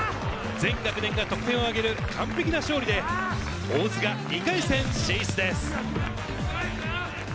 全学年が得点をあげる完璧な勝利で、大津が２回戦進出です。